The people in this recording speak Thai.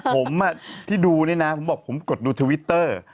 ผมที่ดูนี่นะผมบอกผมกดดูทวิตเตอร์